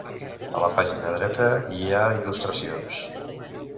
A la pàgina dreta hi ha il·lustracions.